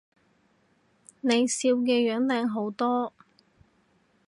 你笑嘅樣靚好多